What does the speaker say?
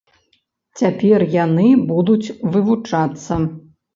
Цяпер яны будуць вывучацца.